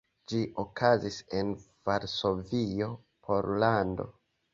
Ĝi okazis en Varsovio, Pollando.